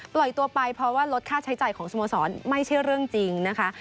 ปล่อยตัวไปเพราะว่าลดค่าใช้จ่ายของสโมสรไม่ใช่เรื่องจริงนะคะ